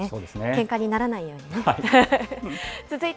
けんかにならないようにね。